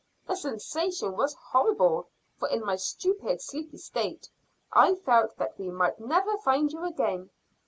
The sensation was horrible, for in my stupid sleepy state I felt that we might never find you again."